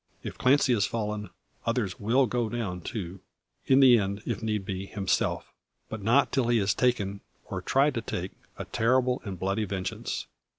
If Clancy has fallen, others will go down too; in the end, if need be, himself. But not till he has taken, or tried to take, a terrible and bloody vengeance.